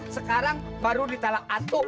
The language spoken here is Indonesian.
sekarang baru di talang atuh